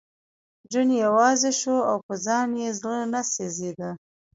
جون یوازې شو او په ځان یې زړه نه سېزېده